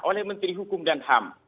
oleh menteri hukum dan ham